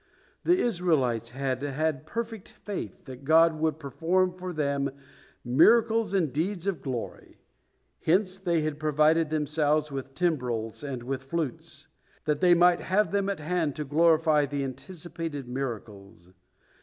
The Israelites had had perfect faith, that God would perform for them miracles and deeds of glory, hence they had provided themselves with timbrels and with flutes, that they might have them at hand to glorify the anticipated miracles.